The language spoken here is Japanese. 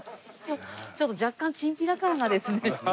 ちょっと若干チンピラ感がですね。